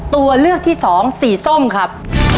ตัวเลือกที่สองสีส้มครับ